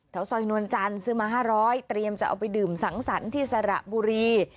ซอยนวลจันทร์ซื้อมา๕๐๐เตรียมจะเอาไปดื่มสังสรรค์ที่สระบุรี